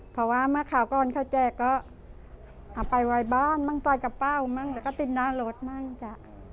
เพราะว่าเมื่อข่าวก่อนเขาแจ้ก็เอาไปวัยบ้านมั้งใส่กระเป๋ามั้งก็ติดนาโหลดไหมจ๊ะ